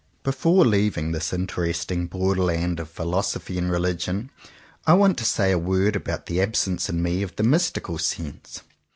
Before leaving this interesting borderland of philosophy and religion, I want to say a word about the absence in me of the mystical sense.